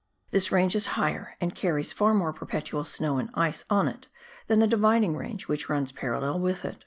This range is higher and carries far more perpetual snow and ice on it than the Dividing range which runs parallel with it.